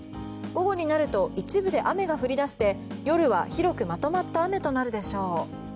午後になると一部で雨が降り出して夜は広くまとまった雨となるでしょう。